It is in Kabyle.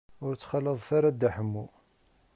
Ur ttxalaḍet ara Dda Ḥemmu.